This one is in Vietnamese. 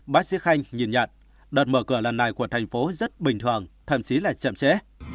bác sĩ khanh nhìn nhận đợt mở cửa lần này của thành phố rất bình thường thậm chí là chậm trễ